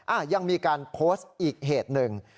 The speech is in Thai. อ่ะยังมีการโพสต์อีกเหตุหนึ่ง